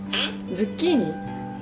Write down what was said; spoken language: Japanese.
ズッキーニ？